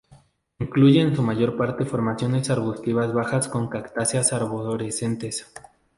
Incluye en su mayor parte formaciones arbustivas bajas con cactáceas arborescentes.